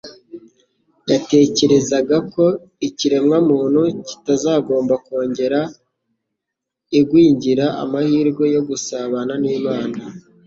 yatekerezaga ko ikiremwamuntu kitagomba kongera Iwgira amahirwe yo gusabana n'Imana.